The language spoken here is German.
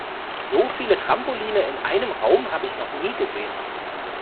So viele Trampoline in einem Raum habe ich noch nie gesehen.